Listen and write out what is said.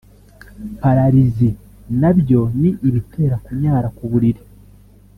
pararizi) nabyo ni ibitera kunyara ku buriri